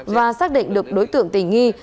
và xác định được đối tượng tình nghi